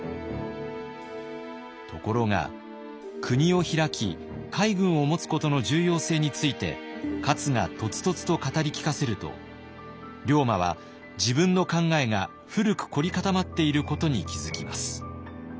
ところが国を開き海軍を持つことの重要性について勝がとつとつと語り聞かせると龍馬は自分の考えが古く凝り固まっていることに気付きます。